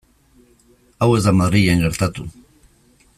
Hau ez da Madrilen gertatu.